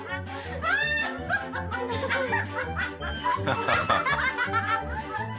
アハハハ。